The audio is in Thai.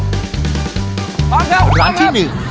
หลังร้านที่๑